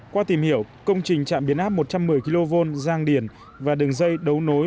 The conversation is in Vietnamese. qua tìm hiểu công trình trạm biến áp một trăm một mươi kv giang điển và đường dây đấu nối